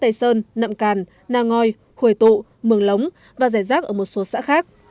tây sơn nậm càn na ngoi hồi tụ mường lống và rẻ rác ở một số xã khác